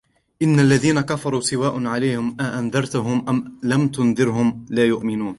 إن الذين كفروا سواء عليهم أأنذرتهم أم لم تنذرهم لا يؤمنون